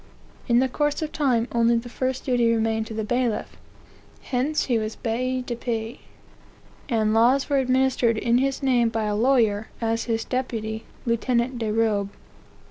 In the course of time, only the first duty remained to the bailiff; hence he was bailli d'epee, and laws were administered in his name by a lawyer, as his deputy, lieutenant de robe.